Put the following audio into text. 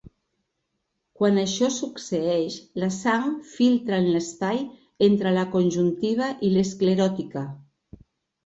Quan això succeeix, la sang filtra en l'espai entre la conjuntiva i l'escleròtica.